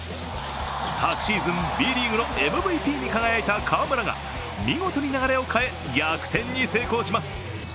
昨シーズンＢリーグのＭＶＰに輝いた河村が、見事に流れを変え逆転に成功します。